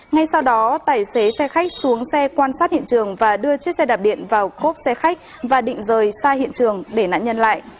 ngay sau đó tài xế xe khách xuống xe quan sát hiện trường và đưa chiếc xe đạp điện vào cốp xe khách và định rời xa hiện trường để nạn nhân lại